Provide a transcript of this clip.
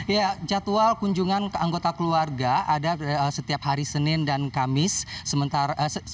ya jadwal kunjungan ke anggota keluarga ada setiap hari senin dan kamis